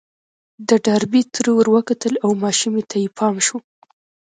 د ډاربي تره ور وکتل او ماشومې ته يې پام شو.